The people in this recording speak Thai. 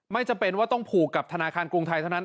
ไม่จำเป็นว่าต้องผูกกับธนาคารกรุงไทยเท่านั้น